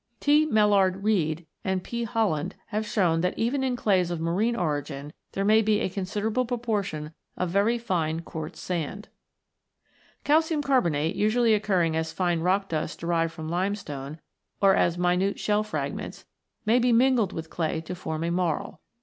T.Mellard Reade and P. Hollands have shown that even in clays of marine origin there may be a consider able proportion of very fine quartz sand (see p. 87). Calcium carbonate, usually occurring as fine rock dust derived from limestone, or as minute shell fragments, may be mingled with clay to form a Marl.